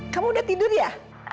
kamu udah tidur ya